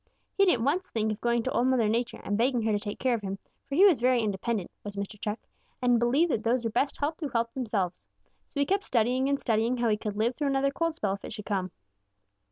He didn't once think of going to Old Mother Nature and begging her to take care of him, for he was very independent, was Mr. Chuck, and believed that those are best helped who help themselves. So he kept studying and studying how he could live through another cold spell, if it should come.